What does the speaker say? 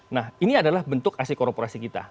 nah ini adalah bentuk aksi korporasi kita